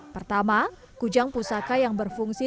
pertama kujang pusaka yang berfungsi